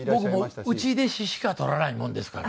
僕もう内弟子しかとらないものですから。